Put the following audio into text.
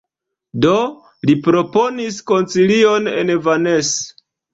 Do, li proponis koncilion en Vannes.